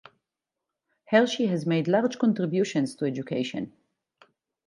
Hershey has made large contributions to education.